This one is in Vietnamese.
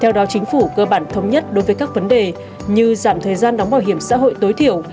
theo đó chính phủ cơ bản thống nhất đối với các vấn đề như giảm thời gian đóng bảo hiểm xã hội tối thiểu